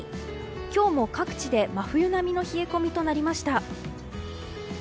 今日も各地で真冬並みの冷え込みとなりました。